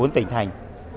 một mươi bốn tỉnh thành